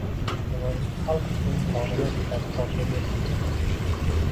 Temirchi xalq uchun jonini jabborga bergan